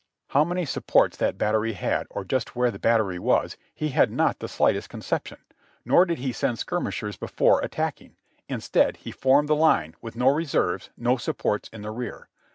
How many supports that battery had or just where the battery was, he had not the slightest conception, nor did he send skirmishers before attacking; instead, he formed the line, with no reserves, no sup ports in the rear.